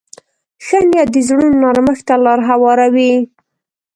ښه نیت د زړونو نرمښت ته لار هواروي.